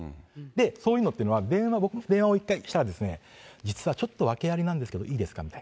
そういうのっていうのは、電話をしたら、実はちょっと訳ありなんですけど、いいですか？